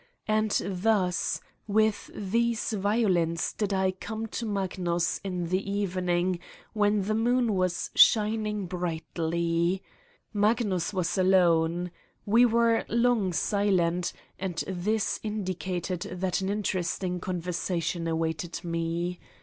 And thus, with these vio lins did I come to Magnus in the evening when the moon was shining brightly. Magnus was alone. We were long silent and this indicated that an interesting conversation awaited me.